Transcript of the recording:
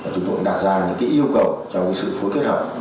chúng tôi đã đạt ra những yêu cầu trong sự phối kết hợp